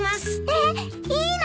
えっ？いいの？